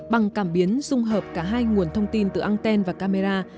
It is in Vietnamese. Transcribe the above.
bằng cảm biến dung hợp cả hai nguồn thông tin từ anten và camera